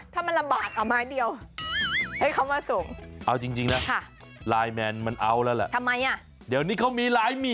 คือเอาไม้เดียวถ้ามันระบาดเอาไม้เดียวเข้ามาส่ง